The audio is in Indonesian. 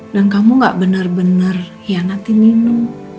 dan kamu gak bener bener hianatin nino